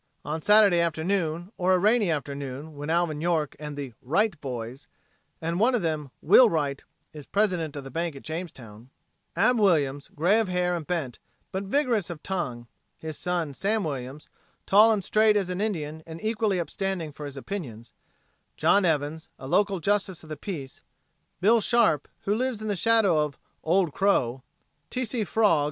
On Saturday afternoon, or a rainy afternoon, when Alvin York and the "Wright boys," and one of them, "Will" Wright, is president of the bank at Jamestown; Ab Williams, gray of hair and bent, but vigorous of tongue; his son, Sam Williams, tall and straight as an Indian and equally upstanding for his opinions; John Evans, a local justice of the peace; Bill Sharpe, who lives in the shadow of "Old Crow"; T.